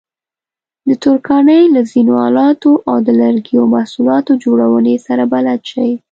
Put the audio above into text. د ترکاڼۍ له ځینو آلاتو او د لرګیو محصولاتو جوړونې سره بلد شئ.